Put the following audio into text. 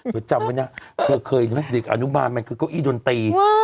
เธอจำไว้นะเธอเคยดิกอนุมานมันคือเก้าอี้ดนตรี